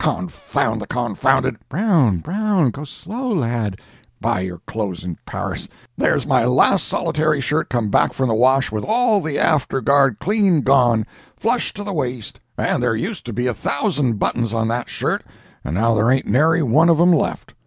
Confound the confounded." "Brown, Brown, go slow, lad." "Buy your clothes in Paris! There's my last solitary shirt come back from the wash with all the after guard clean gone, flush to the waist! and there used to be a thousand buttons on that shirt, and now there ain't nary one of 'em left!